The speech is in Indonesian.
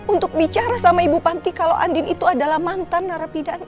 untuk bicara sama ibu panti kalau andin itu adalah mantan narapidana